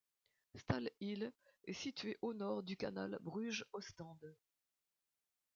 Stalhille est situé au nord du canal Bruges-Ostende.